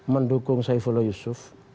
mendukung saifullah yusuf